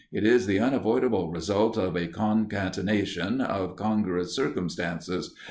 It is the unavoidable result of a concatenation of congruous circumstances.